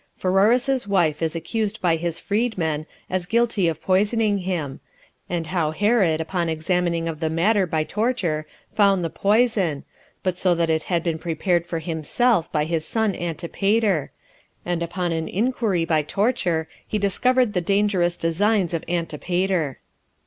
Pheroras's Wife Is Accused By His Freedmen, As Guilty Of Poisoning Him; And How Herod, Upon Examining; Of The Matter By Torture Found The Poison; But So That It Had Been Prepared For Himself By His Son Antipater; And Upon An Inquiry By Torture He Discovered The Dangerous Designs Of Antipater.